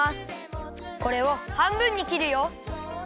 これをはんぶんにきるよ。